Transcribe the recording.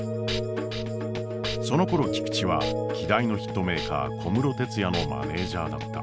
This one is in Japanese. そのころ菊地は希代のヒットメーカー小室哲哉のマネージャーだった。